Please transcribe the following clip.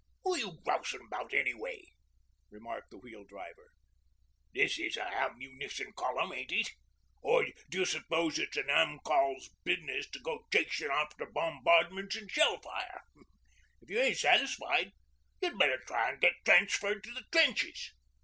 'Wot you grousin' about anyway?' remarked the Wheel Driver. 'This is a Ammunition Column, ain't it? Or d'you s'pose it's an Am. Col.'s bizness to go chasin' after bombardments an' shell fire. If you ain't satisfied you'd better try'n get transferred to the trenches.'